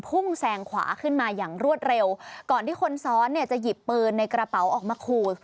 พุ่งแซงขวาขึ้นมาอย่างรวดเร็วก่อนที่คนซ้อนเนี่ยจะหยิบปืนในกระเป๋าออกมาขู่